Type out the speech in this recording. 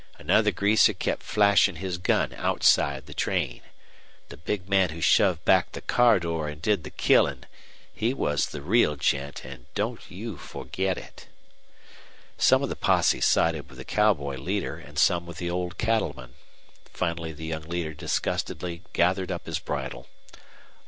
Another greaser kept flashin' his gun outside the train. The big man who shoved back the car door an' did the killin' he was the real gent, an' don't you forget it." Some of the posse sided with the cowboy leader and some with the old cattleman. Finally the young leader disgustedly gathered up his bridle.